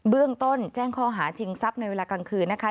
เบื้องต้นแจ้งข้อหาชิงทรัพย์ในเวลากลางคืนนะคะ